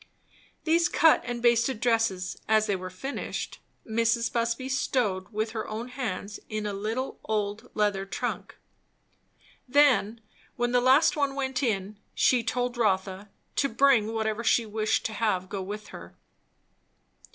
These cut and basted dresses, as they were finished, Mrs. Busby stowed with her own hands in a little old leather trunk. Then, when the last one went in, she told Rotha to bring whatever she wished to have go with her.